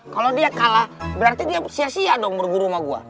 kalau dia kalah berarti dia sia sia dong berguru sama gue